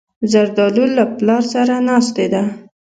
زردالو له پلار سره ناستې ده.